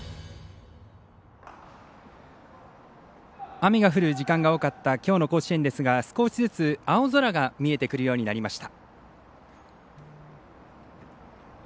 雨が降る時間が多かったきょうの甲子園ですが少しずつ青空が見えてくるようになりました。